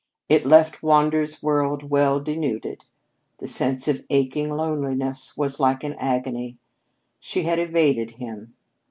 It left Wander's world well denuded. The sense of aching loneliness was like an agony. She had evaded him.